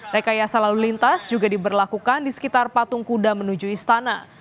rekayasa lalu lintas juga diberlakukan di sekitar patung kuda menuju istana